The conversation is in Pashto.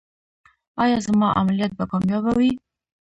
ایا زما عملیات به کامیابه وي؟